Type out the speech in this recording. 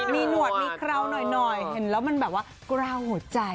ไม่รู้ว่ามีหนวดพูดกล้าวหัวใจ